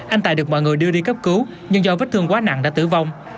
anh tài được mọi người đưa đi cấp cứu nhưng do vết thương quá nặng đã tử vong